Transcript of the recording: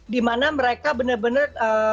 dimana mereka benar benar